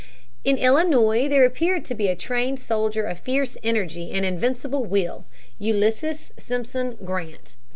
In Illinois there appeared a trained soldier of fierce energy and invincible will, Ulysses Simpson Grant.